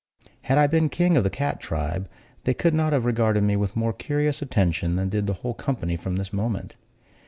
Had I been king of the cat tribe, they could not have regarded me with more curious attention than did the whole company from this moment.